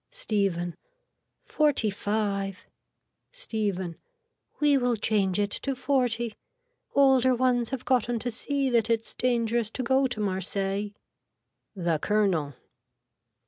(Stephen.) Forty five. (Stephen.) We will change it to forty. Older ones have gotten to see that it's dangerous to go to Marseilles. (The colonel.)